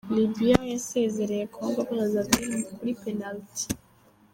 Libya yasezereye Congo Brazzaville kuri penaliti